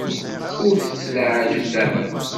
Ur t-ttlaɛajet ara.